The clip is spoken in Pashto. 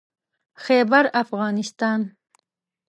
خيبرافغانستان